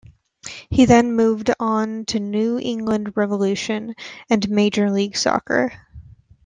He then moved on to New England Revolution and Major League Soccer.